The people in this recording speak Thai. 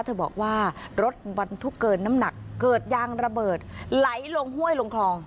เธอบอกว่ารถบรรทุกเกินน้ำหนักเกิดยางระเบิดไหลลงห้วยลงคลอง